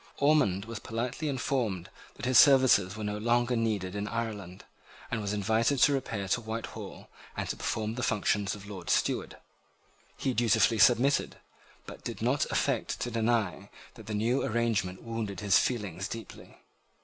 Ormond was politely informed that his services were no longer needed in Ireland, and was invited to repair to Whitehall, and to perform the functions of Lord Steward. He dutifully submitted, but did not affect to deny that the new arrangement wounded his feelings deeply.